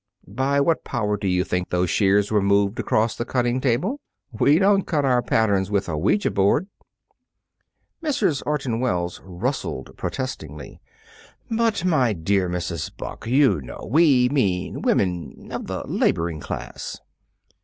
"By what power do you think those shears were moved across the cutting table? We don't cut our patterns with an ouija board." Mrs. Orton Wells rustled protestingly. "But, my dear Mrs. Buck, you know, we mean women of the Laboring Class."